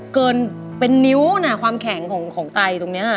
เกินเป็นนิ้วนะความแข็งของไตตรงนี้